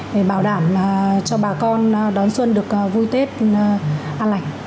để bảo đảm cho bà con đón xuân được vui tết an lành